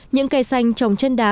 những cây xanh trồng trên đá